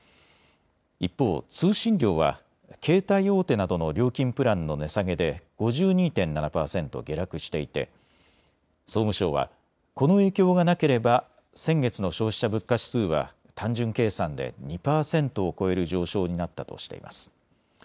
一方、通信料は携帯大手などの料金プランの値下げで５２．７％下落していて総務省はこの影響がなければ先月の消費者物価指数は単純計算で２％を超える上昇になったとしています。